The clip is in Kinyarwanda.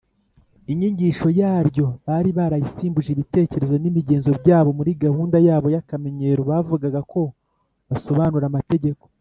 inyigisho yaryo bari barayisimbuje ibitekerezo n’imigenzo byabo muri gahunda yabo y’akamenyero, bavugaga ko basobanura amategeko,